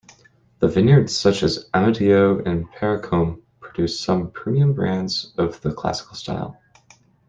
Vineyards such as Amadio and Paracombe produce some premium blends of the classical style.